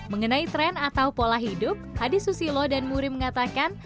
mengenai tren atau pola hidup hadis susilo dan muri mengatakan